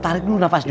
tarik dulu nafas dulu